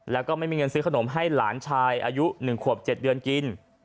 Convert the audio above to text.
แล้วก็ไม่มีเงินซื้อขนมให้หลานชายอายุ๑ขวบ๗เดือนกิน